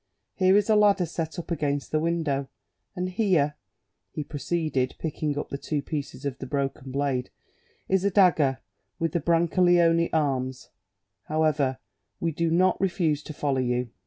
Here is a ladder set up against the window; and here," he proceeded, picking up the two pieces of the broken blade, "is a dagger with the Brancaleone arms. However, we do not refuse to follow you."